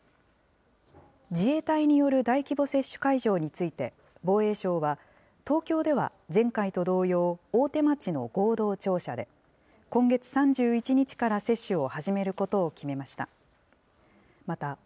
自衛隊による大規模接種会場について、防衛省は、東京では前回と同様、大手町の合同庁舎で、今月３１日から接種を始めることを決めました。